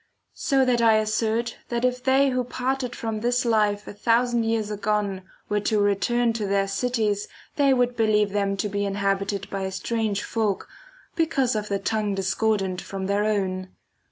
So * that I assert that if they who parted from this life a thousand years agone were to return to their cities they would believe them to be inhabited by a strange folk, because of the tongue discordant from their own.